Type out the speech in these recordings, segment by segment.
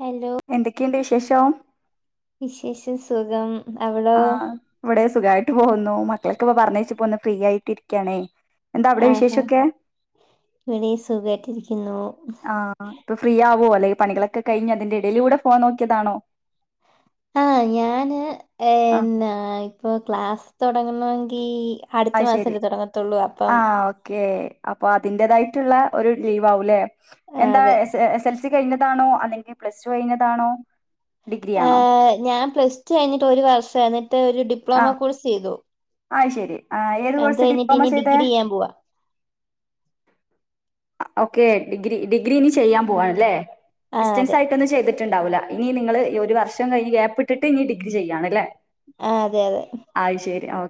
Hello എന്തൊക്കെയുണ്ടു വിശേഷോം വിശേഷം സുഖം അവിടോ ആ ഇവിടെയും സുഖമായിട്ടു പോകുന്നു. മക്കളെയൊക്കെയിപ്പോ പറഞ്ഞയച്ചപ്പമൊന്നു ഫ്രീ യായിട്ടിരിക്കാണേ ആഹാ ഇവിടെയും സുഖമായിട്ടിരിക്കുന്നു. ആഹ് അഹ് ഇപ്പൊ ഫ്രീയാകുവോ അല്ലെങ്കിൽ പണികളൊക്കെ കഴിഞ്ഞ്യതിന്റെ ഇടയിലൂടെഫോൺ നോക്കിയതാണോ ആഹ് ഞാന് ആഹ് ഇപ്പൊ ക്ലാസു തോടങ്ങണമെങ്കിൽ- അതുശരി ആഹ് ഓക്കെ അപ്പയത്തിന്റയ്തായി- ട്ടുള്ള യൊരു ലീവാകൂലല്ലേ ആ, എന്താ, അതെ S.. S.. S.. L S. L. C. കഴിഞ്ഞതാണോ, അല്ലെങ്കിൽ പ്ലസ്ടു കഴിഞ്ഞതാണോ ഡിഗ്രി ആ... ആണോ ഞാൻപ്ലസ്ടു കഴിഞ്ഞിട്ടൊരു വർഷം എന്നിട്ടൊരു ഡിപ്ലോമ കോഴ്സുചെയ്തു. ആ് ശെരി ആ ഏത് കോഴ്സാ ഡിപ്ലോമ ഇനി ചെയ്തേ? ഡിഗ്രി ചെയ്യാൻ പോവാ ഓക്കെ ഡിഗ്രി ഡിഗ്രി ഇനി ചെയ്യാൻ പോവാണ് അല്ലേ ആ ഡിസ്റ്റൻസ് അതെ ആയിട്ടൊന്നും ചെയ്തിട്ടുണ്ടാവൂല. ഇനി നിങ്ങള് ഒരു വർഷം കഴിഞ്ഞ് ഗ്യാപ്പിട്ടിട്ട് ഇനി ഡിഗ്രി ചെയ്യാണ്ല്ലെ? ആ അതെ അതെ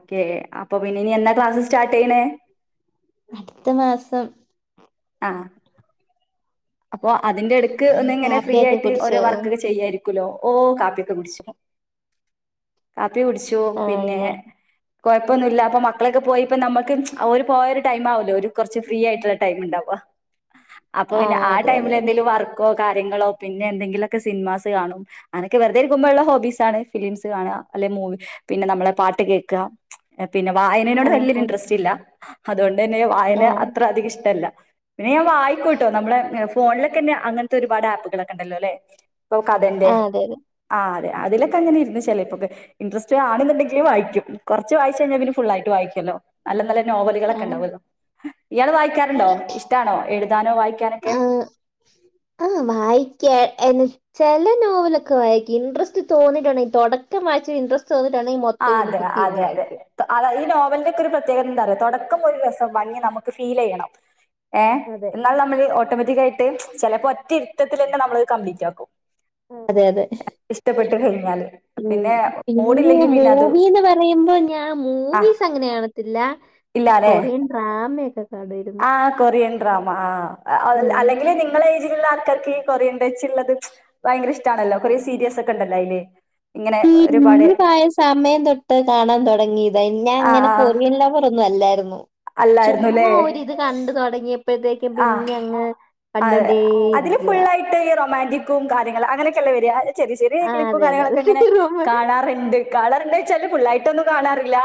ഒക്കെ അപ്പൊ പിന്നെ ഇനി എന്നാ ക്ലാസ്സ് സ്റ്റാർട്ട് ചെയ്യണേ? അടുത്ത മാസം. ആ അപ്പോ അതിന്റെ എടക്ക് ഒന്ന് ഇങ്ങനെ ഫ്രീ കാപ്പിയൊക്കെ ആയിട്ട് കുടിച്ചോ ഓരോ വർക്ക് ഒക്കെ ചെയ്യായിരിക്കും. ലോ ഓ കാപ്പിയൊക്കെ കുടിച്ചു കാപ്പി കുടിച്ചു ആ പിന്നെ ഞാൻ കുഴപ്പൊന്നുല്ല അപ്പൊ മക്കളൊക്കെ പോയിപ്പ നമ്മുക്ക് ഓര് പോയ ഒരു ടൈം ആവല്ലോ ഒരു കുറച്ച് ഫ്രീ ആയിട്ടുള്ള ടൈം ഇണ്ടാവ അപ്പൊ പിന്നെ ആ അതെ അതെ ടൈമില് അതെ എന്തെങ്കിലും വർക്കോ കാര്യങ്ങളോ പിന്നെ എന്തെങ്കിലൊക്കെ സിനിമാസ് കാണും അങ്ങനൊക്കെ വെറുതെ ഇരിക്കുമ്പോ ഉള്ള ഹോബീ സാണ് ഫിലിംസ് കാണുക. അല്ലെ മൂവി പിന്നെ നമ്മളെ പാട്ട് കേക്ക പിന്നെ ആ വായനനോട് വല്യരു ആ ഇൻട്രസ്റ്റില്ല അതുകൊണ്ട് തന്നെ വായന ആ അത്ര അധികം ഇഷ്ടല്ല. പിന്നെ ഞാൻ വായിക്കൂട്ടോ നമ്മളെ ഫോണിലൊക്കെ തന്നെ അങ്ങനത്തെ ഒരുപാട് ആപ്പുകളൊക്കെ ഉണ്ടല്ലോ ലേ ഇപ്പോ കഥന്റെ ആ, അതെ അതെ ആ അതിലൊക്കെ അങ്ങനെ ഇരുന്ന് ചെലേ പ്പൊക്കെ ഇൻറസ്റ്റ് ആണെങ്കില് വായിക്കും കുറച്ച് വായിച്ച ഴിഞ്ഞാൽ പിന്നെ ഫുൾ ആയിട്ട് വായിക്കൊല്ലോ? നല്ല നല്ല ആ നോവലുകളൊക്കെ ഇണ്ടാവല്ലോ ഇയാൾ വായിക്കാറുണ്ടോ ഇഷ്ടാണോ എഴുതാനോ വായിക്കാനൊക്കെ? ആ വായിക്ക എന്ന െചല നോവലൊക്കെ വായിക്കും ഇൻട്രസ്റ്റ് തോന്നി തൊടക്കം വായിച്ച് ഇൻ ആ അതെ അതെ അതെ അത ഈ നോ അവന്റെക്ക ഒരു പ്രത്യേകത എന്താ അറിയോ തുടക്കം ഒരു രസം ഭംഗി നമുക്ക് ഫീൽ ചെയ്യണം. ഏഹ അതെ എന്നാൽ നമ്മള് ഓട്ടോമാറ്റിക്കായിട്ട് പെലപ്പോ ഒറ്റ ഇരുത്തത്തിലെന്നെ നമ്മളത് കംപ്ലീറ്റ് ആക്കും. അതെ അതെ [unintelligible] ഉം പിന്നെെ പിന്നെ മൂഡിലെങ്കി പി മൂവീന്ന് പറയുമ്പോ ഞാൻ മൂവീസ് അങ്ങനെ കാണത്തില്ല. ഈ ഇല്ലാല്ലേ കൊറിയൻ ഡ്രാമ് ഒക്കെ ആ കൊറിയൻ ഡ്രാമ ആ ആഹ് അല്ലെങ്കിൽ നിങ്ങളെ ആൾക്കാർക്ക് ഈ കൊറിയൻ വെച്ചുള്ളത് ഭയങ്കര ഇഷ്ടണല്ലോ കൊറിയൻ സീരീസ് ഒക്കെ ണ്ടല്ലോ അയിൽ [unintelligible] സമയം തൊട്ട് കാണാൻ തുടങ്ങിയതാ ഞാൻ ആ അങ്ങനെ ആ കൊറിയൻ ലാവ [unintelligible] അല്ലായിരുന്നു അല്ലേ ചുമ്മാ ഒരിത് കണ്ട തൊടങ്ങിയപ്പോ ആ അ അതിന് കണ്ടോണ്ടേയിരിക്കുവാ ഫുള്ളായിട്ട് ഈ റൊമാൻറിക് കാര്യങ്ങൾ അങ്ങനൊക്കെെയല്ല വരാ ചെറിയ ചെറിയ ആഹ് ക്ലിപ്പും അതെ അതെ കാര്യങ്ങളൊക്കെങ്ങനെ അതെ റൂമ് കാണാറുണ്ട്. കാണാറുണ്ട്ന്ന് വെച്ചാല് ഫുുള്ളായിട്ടൊന്നും കാണാറില്ല.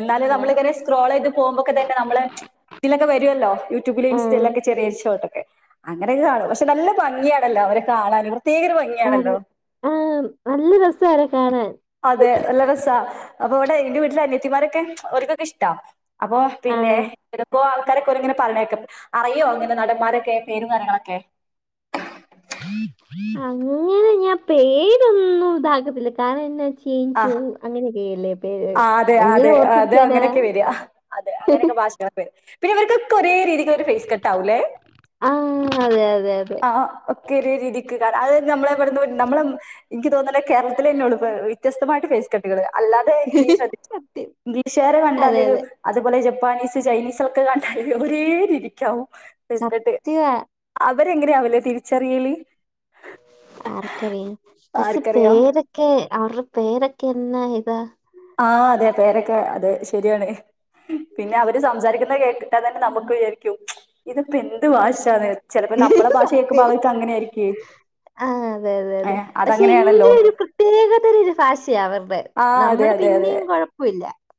എന്നാലും ആ നമ്മളിങ്ങനെ സ്ക്രോളെ യ്ത് പോകുമ്പോക്കെ തന്നെ നമ്മള് ഇതിലൊക്കെ വരുല്ലോ യൂട്യൂബില ആ ഇൻ [unintelligible] ഷോട്ടൊക്കെ കാണും പക്ഷെ നല്ല ഭംഗിയാണല്ലോ അവരെ കാണാനും അത ആഹ നല്ല രസാവരെ കാണാൻ. അതെ നല്ല രസ അപ്പൊ ഇവിടെ എന്റെ വീട്ടിലെ അനയത്തിമാരൊക്കെ ഓർക്കൊക്കെ ഇഷ്ട അപ്പൊ ആ പിന്നെ ചിലപ്പോ ആൾക്കാരൊക്കെങ്ങന പറയണകേക്കാ അറിയോ അങ്ങനെ നടന്മാരൊക്കെ പേരും കാര്യങ്ങളൊക്കെ? അങ്ങനെ ഞാൻ പേരൊന്നും ഇതാക്കത്തില്ല കാരണം എന്നാച്ച ആ ചേയിച്ചും അങ്ങനെയൊക്കെയല്ലേ പേര് ആ അതെ അങ്ങനെ അതെ അതെ ഓർത്തിരിക്കാനാ അങ്ങനെയൊക്കെ വര അതെ അങ്ങനെയൊക്കെ ഭാഷകൊക്കെ വര പിന്നെ ഇവർക്ക് ഒരേ രീതിക്ക് ഫേസ് കട്ടാവും ലേ ആ അതെ അതെ അതെ ഒക്കെ ഒരേ രീതിക്ക് കാരണം അത് നമ്മളെ നമ്മള് എനിക്ക് തോന്ന കേരളത്തില തന്നെ ഉള്ളൂ വ്യത്യസ്തമായിട്ട് ഫേസ് കട്ടുകള് അല്ലാതെ ശ്രദ്ധിച്ച് ക്ണോ സത്യം ഇംഗ്ലീഷ്കാരെ അതെ കണ്ടാല് അതെ അതുപോലെ ജപ്പാ ജപ്പാനീസ് ചൈനീസൊക്കെ കണ്ട ഒരേ രീതിക്കാവും ഫേസ് കട്ട് സത്യം അ ഇവരെ എങ്ങനെയാവലെ തിരിച്ചറിയല്? ആർക്കറിയാം പക്ഷെ ആർക്കറിയാം? പേരൊക്കെ അവർ പേരക്കെ എന്നാ ഇതാ ആഹ് അതെ പേരൊക്കെ അതേ ശരിയാണ് പിന്നെ അവര് സംസാരിക്കു ന്ന കേട്ടിട്ട് അതന്നെ നമുക്ക് വിചാരിക്കും ഇതിപ്പ എന്ത് ഭാഷാന്ന് ചെലപ്പോ നമ്മളെ ഭാഷ കേക്കുമ്പോ സത്യം അവർക്ക് അങ്ങനെ ആരിക്കേ ആ അതെ അതെ അതെ പക്ഷെ ഇങ്ങനെ ഒരു പ്രത്യേകത ഒരു ഭാഷയാ അവരുടെ ആഹ് അതെ നമ്മടെ അതെ അതേ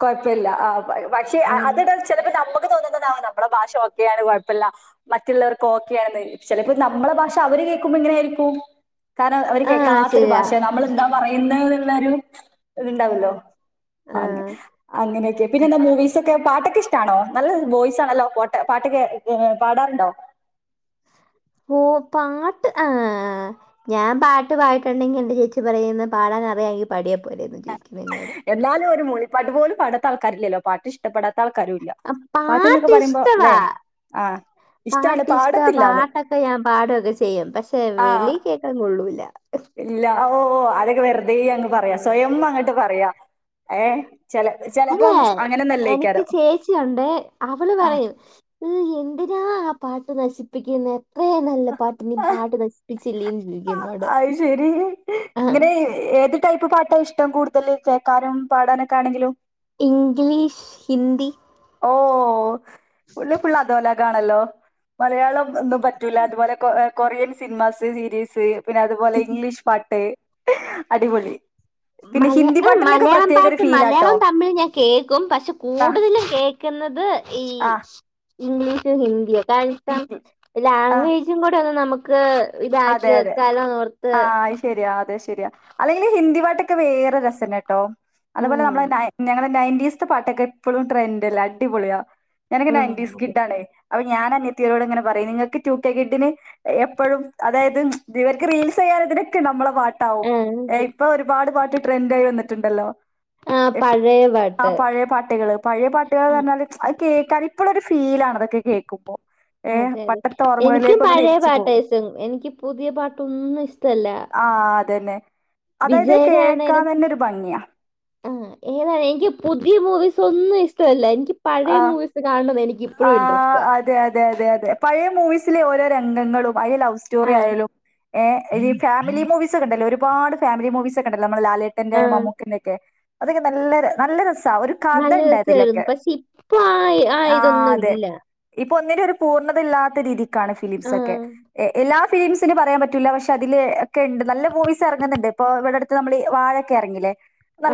കൊഴപ്പില്ലാ ആ പ പക്ഷെ ആ അതിട ചെലപ്പോ നമ്മു ക്ക് തോന്നുന്തന്നാവും നമ്മുടെ ഭാഷ ഒക്കെയാണ് കൊഴപ്പല്ലാ മറ്റുള്ളവർക്ക് ഓക്കെ ആണെന്ന് ചെലപ്പോ നമ്മള ഭാഷ അവര് കേക്കുമ്പോ ഇങ്ങനെ ആരിക്കും കാരണം അവര് ആഹ് കേക്കാത്തൊരു ശരിയാ ഭാഷയാ നമ്മള് എന്താ പറയുന്നൂ ഉള്ളരു ഇതിണ്ടാവല്ലോ അങ്ങ് ആഹ് അങ്ങനെയൊക്കെ പിന്നെ എന്താ മൂവീസ് പാട്ടൊക്കെ ഇഷ്ടാണോ നല്ല വോയിസ് ആണല്ലോ പോട്ടെ പാട്ടൊക്കെ ക്ക്ഏ പാടാറുണ്ടോ ഓ പാട്ട് ആഹ് ഞാൻ പാട്ട് പായിട്ടുണ്ടെങ്കി എന്റെ ചേച്ചി പറയുന്ന പാടാൻ അറിയാങ്കി പാടിയാ പോരേന്ന് ചോയിക്കുന്നു എന്നോട് പാട്ടു പോലും പാടാത്ത ആൾക്കാരില്ലേല്ലോ പാട്ടിഷ്ടപ്പെടാ ത്താൾക്കാരും ഇല്ല ആഹ് പാട്ട്ന്നൊക്കെ പാട്ട് പറയുമ്പോ ല്ലേ ഇഷ്ടവാ അ പാട്ട് ഇശ്ടാ പാട്ടൊക്കെ ഞാൻ പാടൊക്കെ ചെയ്യും പക്ഷേ വെളീ കേക്കാൻ കൊള്ളൂലാ ഇല്ലാ ഓ അതൊക്കെ വെറുതേ അങ്ങ് പറയാ സ്വയം അങ്ങട്ട് പറയാ ഏ ചെല തേ ചെലപ്പം എനിക്ക് അങ്ങനൊന്നല്ലേയ്ക്കാരം. ചേച്ചിണ്ട് അവള് ആഹ് പറയും [unintelligible] എന്തിന്ന ആ പാട്ട് നശിപ്പിക്കുന്നേ എത്രയിം നല്ല പാട്ട് നീ പാടി നശിപ്പിച്ചില്ലേന്ന് ചോയ് ആഹ് അത് ശെരി ഇങ്ങനേ ഏത് ടൈപ്പ് പാ ട്ടാ ഇഷ്ടം കൂടുതല് കേക്കാനും പാടാനൊക്ക ആണെങ്കിലും ഇംഗ്ലീഷ് ഹിന്ദി ഓഹ് [unintelligible] ഫുള്ള് അതുപോലക്കെ ആണല്ലോ മലയാളം ഒന്നും പറ്റൂല്ലാ അതുപോലെ കൊ ഏ കൊറിയൻ സിനിമാസ് സീരീസ് പിന്നെ അതുപോലെ ഇംഗ്ലീഷ് പാട്ട് അടിപൊളി പിന്നെ മല ഹിന്ദി അം പാട്ടിനൊക്കെ മലയാളം പ്രത്യേക ഒരു പാട്ട് ഫീലാട്ടോ. മലയാളവും തമിഴും ഞാൻ കേക്കും പക്ഷെ ആഹ് കൂടുതല് കേക്കുന്നത് ഈ ആഹ് ഇംഗ്ലീഷും ഹിന്ദിയ ഇംഗ്ലീഷ് [unintelligible] ആഹ് ലാംഗ്വേജും കൂടെ ഒന്ന് നമുക്ക് ഇതാക്കി അതെ അതെ. വെക്കാല്ലോന്നോർത്ത് ആഹ് അത് ശെരിയാ അതെ ശെരിയാ അല്ലെങ്കിലീ ഹിന്ദി പാട്ടൊക്കെ വേറെ രസല്ലട്ടോ ആ, അതുപോലെ നമ്മളെ നായ് ഞങ്ങളെ നൈ ഈസ്ത്ത് പാട്ടൊക്കെ എപ്പൊളും ട്രെൻഡ്ല്ല അടിപൊളിയാ ഞാനങ്ങെ ആ, നയന്റീസ്‌ അതെ. കിഡ് ആണേ അപ ഞാൻ അനിയത്തിയോട് ഇങ്ങനെ പറയും നിങ്ങക്ക് ടൂക്കേ കിഡിന് എപ്പഴും അതായത് തിവർക്ക് റീൽസ് ചെയ്യാൽ ഇതിനൊക്കെ നമ്മള പാട്ടാവും ആ, ഏ ഇപ്പോ ഒരുപാട് പാ ട്ട് ട്രെന്റ് ആയി വന്നിട്ടുണ്ടല്ലോ ആ, പഴയ [unintelligible] ആ പാട്ട് പഴേ പാട്ടുകള് പഴേ പാട്ടുകൾ ആ, ന്ന് പറഞ്ഞാല് കേക്കാൻ ഇപ്പളൊരു ഫീലാണതൊക്കെ കേക്കുമ്പോ അതെ അതെ എനിക്കും പഴേ തിരിച്ചു പോവും പാട്ടസം എ എനിക്ക് പുതിയ പാട്ടൊന്നും ഇഷ്ടല്ല അതേന്നെ അതായത് കേക്കാൻ തന്നെ ഒരു ഭംഗിയാ ഉം ഏതാണ് എനിക്ക് പുതിയ മൂവീസ് ഒന്നും ഇഷ്ടവല്ല എനിക്ക് പഴയ ആ മൂവീസ് കാണുന്നത് എനിക്ക് ഇപ്പോഴും ആഹ് ഇൻട്രസ്റ്റ് അതെ അതെ അതെ അതെ പഴയ മൂവീസിലേ ഓരോ രംഗങ്ങളും അതിലെ ലവ് സ്റ്റോറി ആ ആയാലും ഏ ഈ ഫാമിലി മൂവീസ് ഒക്കെ ഉണ്ടല്ലോ ഒരുപാട് ഫാമിലി മൂവീസ് ഒക്കെ ഉണ്ടല്ലോ നമ്മള് ലാലേട്ടന്റെ ആ മമ്മൂക്കന്റെ ക്കെ അതക്കെ നല്ല ര നല്ല രസ് താ ഒരു കഥ നല്ല ഉണ്ട് രസായിരുന്നു. അതിലൊക്കെ പക്ഷെ ഇപ്പൊ ആയി ആ ആഹ് ഇതൊന്നും അതെ ഇല്ലാ ഇപ്പൊ ഒന്നിനും ഒരു പൂർണ്ണതയില്ലാത്ത രീതിക്കാണ് ഫിലിംസ് ആ ഒക്കെ എ എല്ലാ ഫിലീംസിന് പറയാൻ പറ്റൂല്ല പക്ഷെ അതില് ഒക്കെ ഇണ്ട് നല്ല മൂവീസ് എറങ്ങുന്നുണ്ട് ഇപ്പോ ഇവിടെ അട് ത്ത് നമ്മൾ ഈ വാഴൊക്കെ എറങ്ങീല്ലേ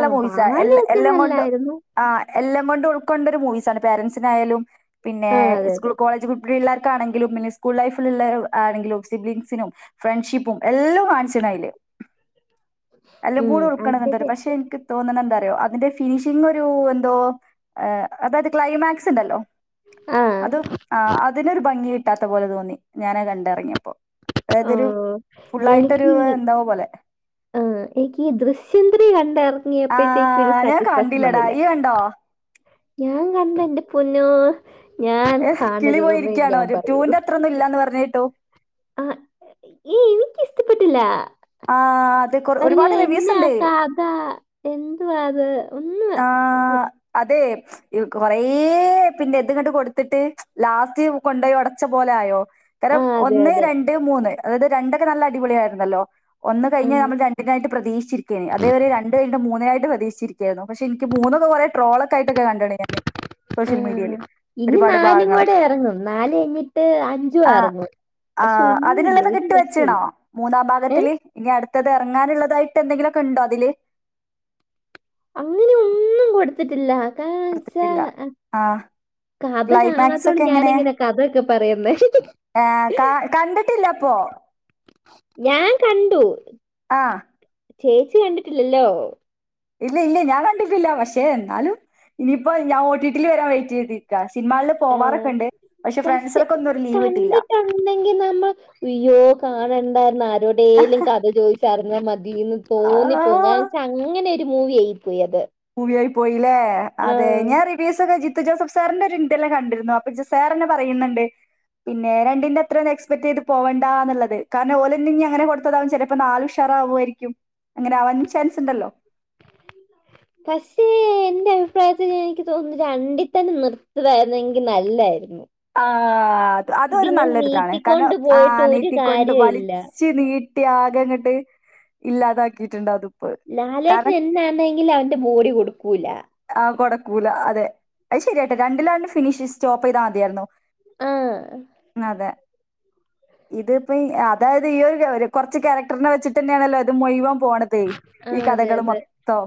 ആ മൂവീസ്സാ എല്ല വാഴയൊക്കെ എല്ലാം കൊണ്ട് നല്ലായിരുന്നു. ആ എല്ലാം കൊണ്ടും ഉൾക്കൊണ്ട് ഒരു മൂവീസ്സാണ് പാരന്റ്സിന് ആയാലും പിന്നേ ആ അതെ സ്കൂ അതെ. കോളേജ് കുട്ടി ള്ളേർ ക്കാണെങ്കിലും പിന്നെ സ്കൂൾ ലൈഫിലുള്ളെ ആണെങ്കിലും സിബ്ലിംഗ്സിനും ഫ്രണ്ട്ഷിപ്പും എല്ലൊയും കാൺച്ച്ണ് അയിൽ എല്ലം ഉം കൂടെ അത് ഉട്ക്കാൺന്ന് ഇണ്ടല്ലോ ശരിയാ. പക്ഷെ ഇൻക്ക് തോന്ന്ണെ എന്താ അറിയോ അതിന്റെ ഫിനിഷിംഗ് ഒരു എന്തോ അതായത് ക്ലൈമാക്സ് ഇണ്ടല്ലോ ആ അതും ആ അതിനൊരു ഭംഗി കിട്ടാത്ത പോലെ തോന്നി ഞാൻ അയ് കണ്ട് അറങ്ങിയെപ്പോ ഓ അതായതൊരു ഫുള്ളായിട്ടൊരു എന്തോ പോലെ എ് എനിക്ക് ഈ ദൃശ്യം ത്രീ കണ്ടെറങ്ങിയപ്പഴ്ത്തേക്ക് ഒരു ആഹ് ഞാൻ സാറ്റിസ്ഫാക്ഷൻ കണ്ടില്ലടാ വന്നില്ല ഇയ്യ് കണ്ടോ ഞാൻ കണ്ട് എന്റെ പൊന്നോ ഞാൻ ഏഹ് കിളി കാണരുതെന്നെ പോയിരിക്കാണോ ഞാൻ ഒരു പറയൊള്ളു ടൂന്റെ അത്രൊന്നും ഇല്ലാന്ന് പറഞ്ഞ് കേട്ടു ഏ എനിക്ക് ഇഷ്ടപ്പെട്ടില്ല ആ അയ്യോ എന്നാ കാഥാ എന്തുവാ അത് ഒന്നും ആ അതെ കൊറെ പിന്നെ ഇത് ഇങ്ങട്ട് കൊട്ത്ത്ട്ട് ലാസ്റ്റ് കൊണ്ടോയ് ഒടച്ച പോലെ ആയോ ആ കാരണം അതെ ഒന്ന് അതെ രണ്ട് മൂന്ന് അതായത് രണ്ടൊക്കെ നല്ല അടിപൊളിയായിര്ന്നല്ലോ ഒന്ന് ആ കഴിഞ്ഞാൽ നമ്മൾ രണ്ടിനായിട്ട് പ്രതീക്ഷിച്ച് ഇരിക്കെയ്നു അതേ മായിരി രണ്ട് കഴിഞ്ഞ്ട്ട് മൂന്ന് നായിട്ട് പ്രതീക്ഷിച്ച് ഇരിക്കായിരുന്നു പക്ഷെ ഇൻക്ക് മൂന്നൊക്കെ കൊറെ ട്രോളൊക്കെ ആയ്ട്ടൊക്കെ കണ്ട്ൺ ഞാൻ ഏ എ ഇനി നാലും ക കൊടെ ഭാഗങ്ങളൊക്കെ എറങ്ങും നാൽ കഴിഞ്ഞിട്ട് അഞ്ചും എറങ്ങും ആ പക്ഷെ അതിന് ഒന്നുമില്ല ഒരു ഇള്ളത്ക്ക്ട്ട് വെച്ച്ണോ രസമില്ല മൂന്നാം ഏ ഭാഗത്തിൽ ഇനി അട് ത്തത് എറങ്ങാൻ ഇള്ളതായിട്ട് എന്തെങ്കിലൊക്കെ ഇണ്ടോ അതിൽ അങ്ങനെ ഒന്നും കൊട്ത്തിട്ടില്ല കാച്ചാ കൊടുത്തിട്ടില്ല ആഹ് കഥ ക്ലൈമാക്സ് കാണത്തോണ്ട് ഒക്കെ ഞാൻ എങ്ങനെ കഥ ഒക്കെ പറയ്ന്നെ പ്പോ ഞാൻ കണ്ടു ആ ചേച്ചി കണ്ടിട്ടില്ലല്ലോ ഇല്ല ഇല്ല ഞാൻ കണ്ടിട്ടില്ല പക്ഷെ എന്നാലും ഇനിയിപ്പോ ഞാൻ ഓട്ടിട്ടില് വരാൻ വെയിറ്റ് ചെയ്ത്ക്കാ ല്ല ആഹ് പോവാറൊക്കെ ഇണ്ട് പക്ഷെ കണ്ടിട്ടൊണ്ടെങ്കിൽ നമ്മൾ അയ്യോ കാണണ്ടായിര്ന്നു ആരോ ഡെലും കഥ ചോദിച്ചർ ന്നാ മതിന്ന് തോന്നിപ്പോവും കാര ആഹ് വെച്ചാ അങ്ങനെ ഒരു മൂവി ആയി പോയി അത് ല്ലെ അതെ ആഹ് ഞാൻ റിബിയസ് ഒക്കെ ജി ത്തു ജോസഫ് സാറിന്റെ ഒരു ഇന്റെ എല്ലാം കണ്ടിര്ന്നു അപ്പൊ ഇജു സാർന്നെ പറയ്ന്ന്ണ്ട് പിന്നെ രണ്ടിന്റെ അത്രയൊന്നും എക്സ്പെക്ട് ചെയ്ത് പോവണ്ടാ എന്നുള്ളത് കാരണം ഓലെന്നെ ഇഞ് അങ്ങനെ കൊട്ത്തതാവും ചെലെപ്പോ നാൽ ഉഷാ റാവു ആയിരിക്കും അങ്ങനെ ആവാനും ചാൻസ് ഇണ്ടല്ലോ പക്ഷേ എന്റെ അഭിപ്രായത്തിൽ എനിക്ക് തോന്നുന്നു രണ്ടിൽ തന്നെ നിർത്ത്ണായിരുന്നു എങ്കിൽ നല്ലായിരുന്നു ആ അത് അതൊരു ഇതിങ്ങനെ നല്ലൊരു ഇതാണ് കാരണം നീട്ടിക്കൊണ്ട് ആ പോയിട്ട് ഒരു നീട്ടിക്കൊണ്ട് കാര്യമില്ല വലിച്ച് നീ ട്ടി ആകെ ഇങ്ങട്ട് ഇല്ലാതാക്കിട്ട് ഇണ്ട് അതും ലാലേട്ടന് എന്താണ്ടെങ്കിൽ അവന്റെ മോടി കൊട്ക്കൂല്ലാ ആ കൊട്ക്കൂലാ അതെ അത് ശരിയാട്ടോ രണ്ടിലും അവന്റെ ഫിനിഷ് സ്റ്റോപ്പ് ചെയ്താ മതിയായിരുന്നു ആ ഇത് ഇപ്പ ഈ അതായത് ഈ ഒരു കൊർച്ച് ക്യാരക്ടറിനെ വെച്ചിട്ട് യെന്നെയാണല്ലോ ഇത് മുഴ്‌വം പോണത് ആ, ഈ അതെ കഥകൾ അതെ മൊത്തം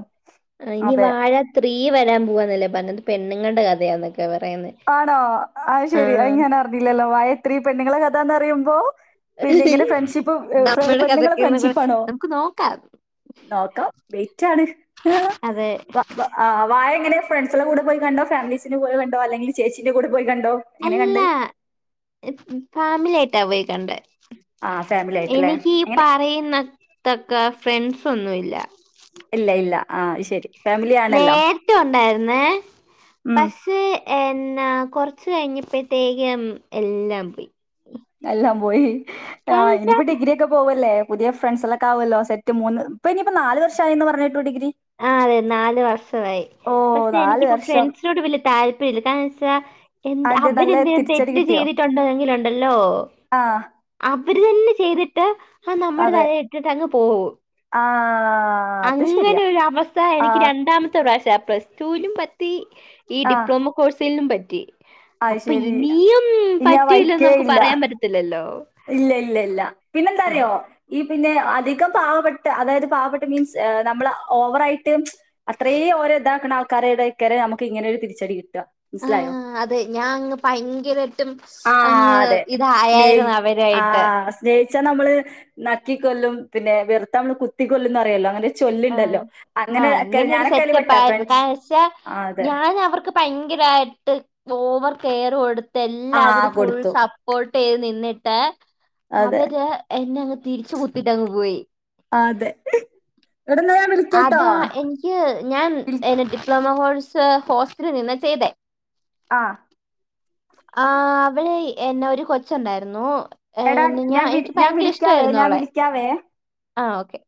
അതെ സ്ത്രീ വരാൻ പോവാന്ന് അല്ലേ പർണത് പെണ്ണ്ങ്ങൾടെ കഥയാന്നൊക്കെ പറയുന്നത് ആണോ അയ് ആ ശരി അയ് ഞാൻ അറിഞ്ഞില്ലല്ലോ വാഴ ത്രി പെണ്ണ്ങ്ങളെ കഥാന്ന് പറയിമ്പോ പിന്നെ ഇങ്ങനെ ഫ്രണ്ട്ഷിപ്പ് എ നമ്മുടെ പെണ്ണുങ്ങളെ കഥയ്ക്ക് എന്നൊക്കെ ഫ്രണ്ട്ഷിപ്പ് ആണോ നമുക്ക് നോക്കാം നോക്കാം വെയ്റ്റാണ് അതെ ആ വ വ വാഴ എങ്ങനെ ഫ്രണ്ട്സെളെ കൂടെ പോയി കണ്ടോ ഫമിലീസിന്റെ കൂടെ കണ്ടോ അല്ലെങ്കി ചേച്ചിന്റെ കൂടെ പോയി കണ്ടോ എങ്ങനെ കണ്ട് അല്ലാ ഫാമിലിയിട്ടാ പോയി കണ്ട ആ ഫാമിലി ആയിട്ടല്ലേ എനിക്ക് എങ്ങനെ പറയുന്ന തക്ക ഫ്രണ്ട്സ് ഒന്നുമല്ല ഇല്ല ഇല്ല ആ ശരി ഫാമിലി ആണല്ലോ നേരിട്ട ഉണ്ടായിരുന്നേ ഉം പക്ഷ എന്നാ കൊറച്ച കഴിഞ്ഞപ്പോത്തേകം എല്ലാം പോയി എല്ലാം പോയി ആ കാരണം വെച്ചാ ഇനിപ്പോ ഡിഗ്രിയൊക്കെ പോവല്ലേ പുതിയ ഫ്രണ്ട്സൊക്കെ ആുമല്ലോ സെറ്റ് മൂന്ന് ഇപ്പ ഇനിയിപ്പോ നല് വർഷ ആന്ന് പറഞ്ഞട്ട് ആ അതെ നാല് വർഷമായി ഓ പക്ഷെ നാല് എനിക്കിപ്പോ വർഷം ഫ്രണ്ട്സിനോട് വലിയ താല്ര്യം ക്കാന്ന് വെച്ചാ എ അതിന്റെ അവന നല്ല എന്തെങ്കിലും തിരിച്ചടി തെറ്റ് കിട്ടിയോ ചെയ്തിട്ടുണ്ടോ എങ്കിലൊണ്ടല്ലോ ആ അവര് തന്നെ ചെയ്തിട്ട് ആ നമ്മുടെ അതെ തല ഇട്ടിട്ട് അങ്ങ് പോകും ആ അത് അങ്ങെ ശരിയാ താമസ ആ എനിക്ക് രണ്ടാമത്തെ പ്രാവശ്യ പ്ലസ്ടുവിനും പറ്റി ഈ ആ ഡിപ്ലോമ കോഴ്സിലും പറ്റും അത് അപ്പൊ ശരി ഇനിയും ഇനി ആ പറ്റല്ലന്ന് വഴിക്കേ നമുക്ക് ഇല്ല പറയാൻ പറ്റത്തില്ലല്ലോ ഇല്ല ഇല്ല ഇല്ല പിന്നെന്താ അറിയോ ഈ പിന്നെ അധികം പാവപ്പെട്ട് അതായത് പാവപ്പെട്ട് മീൻസ് നമ്മൾ ഓവറായിട്ടും അത്ര ഓ ഇതാക്കണ ആക്കാരുട ഒക്ക നമുക്ക് ഇങ്ങനെ തിരിച്ചടി കിും ആഹ അതെ ഞാൻങ്ങ് ഭയങ്കരമായിട്ടും അങ്ങ് ഇതായായിരുന്നു അവൻ ആഹ സ്നേഹിച്ചാ നമ്മള് നക്കിക്കൊല്ലും പിന്നെ വെറുത്തമ്മള് കുത്തി കൊൊല്ലുംന്ന് അറിയല്ലോ അങ്ങനെ ആഹ ആഹ് ഒക്കെ അങ്ങനെ ഒരു ഞാനൊക്കെ അയില് സെറ്റപ്പ് പെട്ടാ ആയിരുന്നു ഫ്രഞ്ച് കാരണം വച്ചാ ആഹ് അതെ. ഞാൻ അവർക്ക് ഭയങ്കര ദായ്യിട് ഓവർ കെയർ കൊടുത്ത് ആഹ് എല്ലാത്തിും ഫുൾ കൊടുത്തു. സപ്പോർട്ട് ചെയ്ത് നിന്നിട്ട് അതെ അവര് എന്നെ അങ്ങ് തിരിച്ച കുത്തിട്ടങ്ങ് പോയി അതെ. എടാ ന്നാ ഞാൻ വിളിക്കട്ടോ. അതാ എനിക്ക് ഞാൻെ ഡിപ്ലോമ ഹോസ്റ്റല നിന്ന് ചെയ്തേ ആഹ ആ അവവിടെ എന്നെ ഒരു കൊച്ചുണ്ടായിരുന്നു എടാ എന്നെ ഞാൻ വി എനിക്ക് ഞാൻ ഭയങ്കര വിളിക്കാവേ ഇഷ്ടായിരുന്നു ഞാൻ അവളെ. വിളിക്കാവേ ആ ഓക്കെ